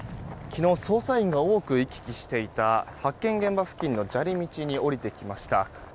昨日、捜査員が多く行き来していた発見現場付近の砂利道に降りてきました。